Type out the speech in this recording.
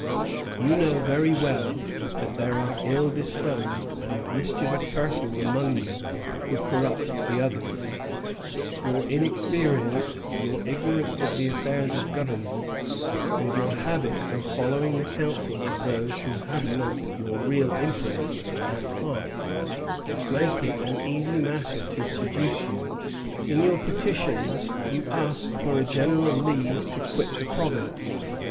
You know very well that there are ill disposed and mischievous persons among you who corrupt the others. Your inexperience, your ignorance of the affairs of government, and your habit of following the counsels of those who have not your real interests at heart, make it an easy matter to seduce you. In your petitions you ask for a general leave to quit the province.